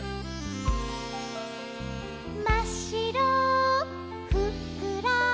「まっしろふっくら」